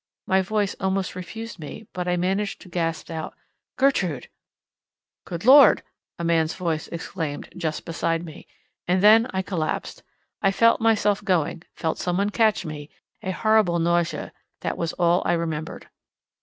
My voice almost refused me, but I managed to gasp out, "Gertrude!" "Good Lord!" a man's voice exclaimed, just beside me. And then I collapsed. I felt myself going, felt some one catch me, a horrible nausea—that was all I remembered.